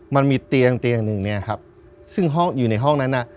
มันมีเตียงเตียงหนึ่งเนี่ยครับซึ่งห้องอยู่ในห้องนั้นน่ะ